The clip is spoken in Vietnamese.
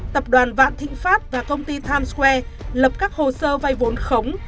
tập đoàn vạn thịnh pháp và công ty times square lập các hồ sơ vay vốn khống